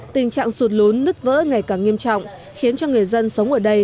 tình trạng sụt lún nứt vỡ ngày càng nghiêm trọng khiến cho người dân sống ở đây